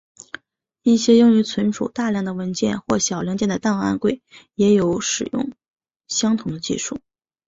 一些用于储存大量的文件或小零件的档案柜也有使用相同的技术。